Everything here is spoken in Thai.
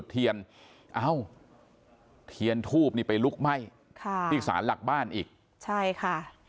เทียนเอ้าเทียนทูบนี่ไปลุกไหม้ค่ะที่สารหลักบ้านอีกใช่ค่ะ